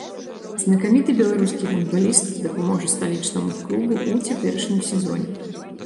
Знакаміты беларускі гандбаліст дапаможа сталічнаму клубу ў цяперашнім сезоне.